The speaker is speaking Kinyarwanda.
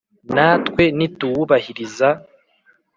na twe nituwubahiriza,